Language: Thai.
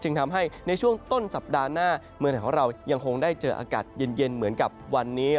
ทำให้ในช่วงต้นสัปดาห์หน้าเมืองไทยของเรายังคงได้เจออากาศเย็นเหมือนกับวันนี้